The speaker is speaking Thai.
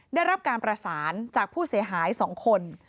ได้รับการประสานจากผู้เสียหาย๒คน